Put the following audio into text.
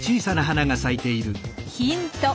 ヒント。